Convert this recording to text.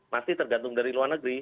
masih tergantung dari luar negeri